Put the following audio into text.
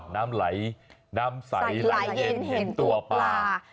น้ำใสละเอ็นเห็นตัวปลา